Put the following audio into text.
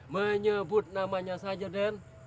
menyebut namanya saja den